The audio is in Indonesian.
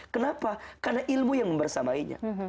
kenapa karena ilmu yang membersamainya